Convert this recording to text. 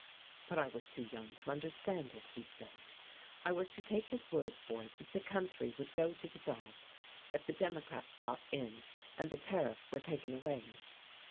But I was too young to understand it, he said. I was to take his word for it that the country would go to the dogs if the Democrats got in and the Tariff were taken away.